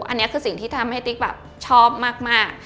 อันนี้คือสิ่งที่ทำให้ติ๊กแบบชอบมาก